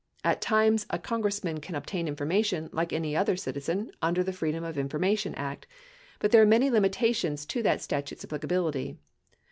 At times a Congress man can obtain information — like any other citizen — under the Free dom of Information Act, but there are many limitations to that statute's applicability.